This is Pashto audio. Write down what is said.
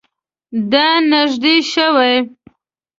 دا نژدې شوی؟